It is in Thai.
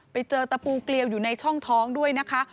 ตะปูเกลียวอยู่ในช่องท้องด้วยนะคะ